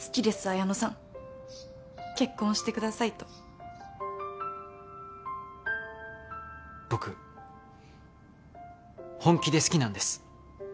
彩乃さん結婚してくださいと僕本気で好きなんです